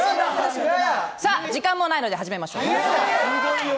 さあ時間もないので始めましょう。